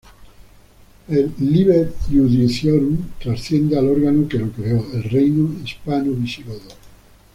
El "Liber Iudiciorum" trasciende al órgano que lo creó, el reino hispano-visigodo.